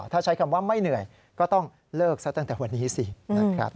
ถ้าใช้คำว่าไม่เหนื่อยก็ต้องเลิกซะตั้งแต่วันนี้สินะครับ